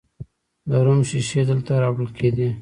د روم شیشې دلته راوړل کیدې